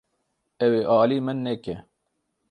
Ew ê alî min neke.